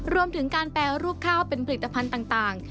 รวมถึงการแปรรูปข้าวเป็นผลิตภัณฑ์ต่าง